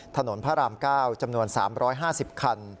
ถนนพระราม๙จำนวน๓๕๐คัน